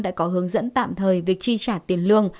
đã có hướng dẫn tạm thời việc chi trả tiền lương